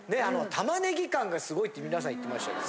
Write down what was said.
玉ねぎ感がすごいって皆さん言ってましたけど。